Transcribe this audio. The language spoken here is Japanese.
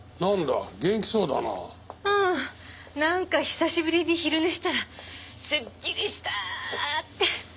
なんか久しぶりに昼寝したらすっきりしたー！って。